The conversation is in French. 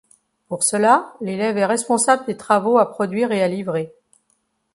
Pour cela, l'élève est responsable des travaux à produire et à livrer.